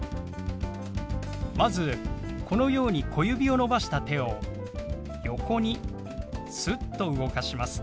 まずこのように小指を伸ばした手を横にすっと動かします。